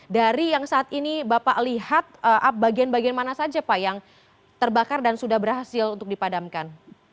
dari yang saat ini bapak lihat bagian bagian mana saja pak yang terbakar dan sudah berhasil untuk dipadamkan